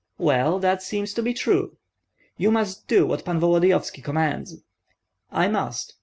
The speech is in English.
"Well, that seems to be true." "You must do what Pan Volodyovski commands." "I must."